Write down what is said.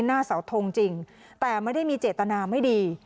หน้าเสาทงจริงแต่ไม่ได้มีเจตนาไม่ดี